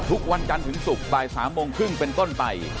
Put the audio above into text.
ทุกวันจันทร์ถึงศุกร์บ่าย๓โมงครึ่งเป็นต้นไป